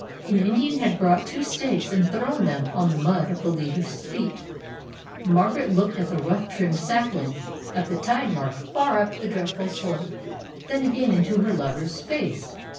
An Indian had brought two stakes and thrown them on the mud at the leader's feet. Margaret looked at the rough trimmed saplings, at the tide mark far up the dreadful slope, then again into her lover's face.